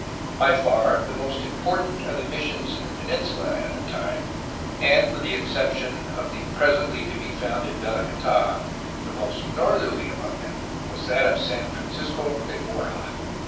By far the most important of the missions in the penin sula at the time and, with the exception of the presently to be founded VeUcatd, the most northerly among them was that of San Francisco de Borja.